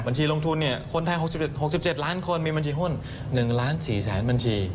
บัญชีลงทุนคนไทย๖๗ล้านคนมีบัญชีหุ้น๑๔ล้านบัญชี